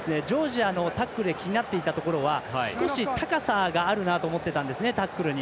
僕、試合始まってからジョージアのタックルで気になっていたところは少し高さがあるなと思っていたんですね、タックルに。